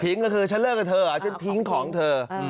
ทิ้งก็คือฉันเลิกกับเธอฉันทิ้งของเธอ